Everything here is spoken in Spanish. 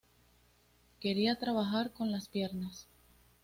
Quería trabajar con las piernas.